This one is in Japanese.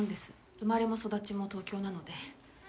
生まれも育ちも東京なので。